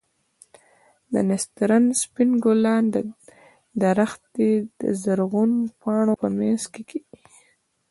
د نسترن سپين ګلان د درختې د زرغونو پاڼو په منځ کښې.